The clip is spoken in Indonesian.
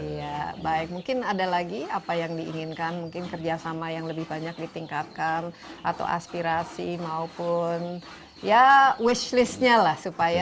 iya baik mungkin ada lagi apa yang diinginkan mungkin kerjasama yang lebih banyak ditingkatkan atau aspirasi maupun ya wish listnya lah supaya